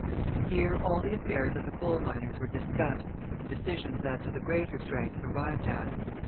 Here all the affairs of the coal miners were discussed and decisions as to the greater strikes arrived at.